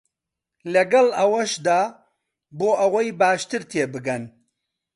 لەگەڵ ئەوەشدا بۆ ئەوەی باشتر تێبگەین